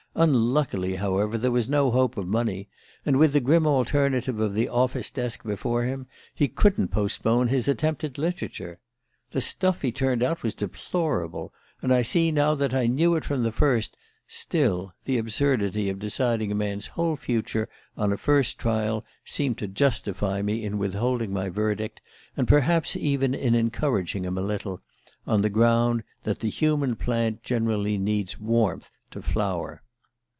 Unluckily, however, there was no hope of money, and with the grim alternative of the office desk before him he couldn't postpone his attempt at literature. The stuff he turned out was deplorable, and I see now that I knew it from the first. Still, the absurdity of deciding a man's whole future on a first trial seemed to justify me in withholding my verdict, and perhaps even in encouraging him a little, on the ground that the human plant generally needs warmth to flower.